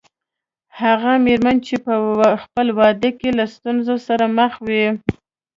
هغه مېرمنه چې په خپل واده کې له ستونزو سره مخ وي.